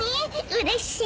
うれしい！